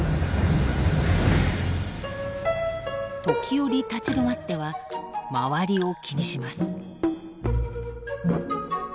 時折立ち止まっては周りを気にします。